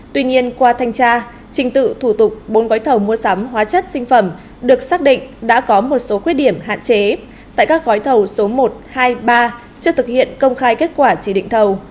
tuy nhiên qua thanh tra trình tự thủ tục bốn gói thầu mua sắm hóa chất sinh phẩm được xác định đã có một số khuyết điểm hạn chế tại các gói thầu số một hai mươi ba chưa thực hiện công khai kết quả chỉ định thầu